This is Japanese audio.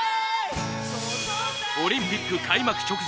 オリンピック開幕直前！